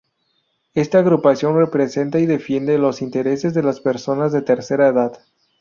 Esta agrupación representa y defiende los intereses de las personas de tercera edad.